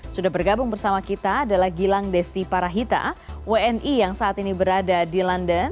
sudah bergabung bersama kita adalah gilang desti parahita wni yang saat ini berada di london